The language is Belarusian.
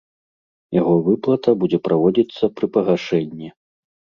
Яго выплата будзе праводзіцца пры пагашэнні.